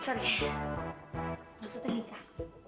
sorry maksudnya nikah